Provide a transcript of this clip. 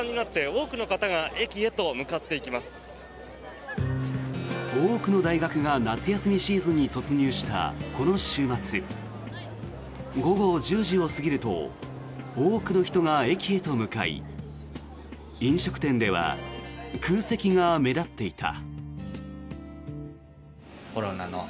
多くの大学が夏休みシーズンに突入したこの週末午後１０時を過ぎると多くの人が駅へと向かい飲食店では空席が目立っていた。